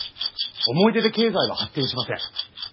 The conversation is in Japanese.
思い出で経済は発展しません。